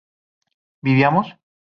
¿vivíamos?